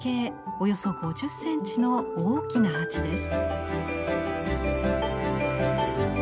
およそ５０センチの大きな鉢です。